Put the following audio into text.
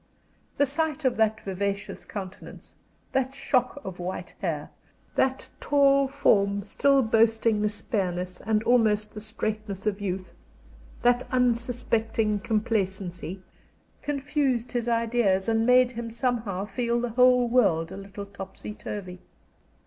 The sight of that vivacious countenance, that shock of white hair, that tall form still boasting the spareness and almost the straightness of youth, that unsuspecting complacency, confused his ideas and made him somehow feel the whole world a little topsy turvy.